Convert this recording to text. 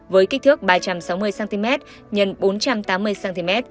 với kích thước ba trăm sáu mươi cm x bốn trăm tám mươi cm